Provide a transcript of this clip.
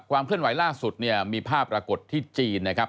เคลื่อนไหวล่าสุดเนี่ยมีภาพปรากฏที่จีนนะครับ